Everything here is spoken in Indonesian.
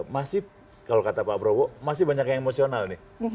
masif kalau kata pak prabowo masih banyak yang emosional nih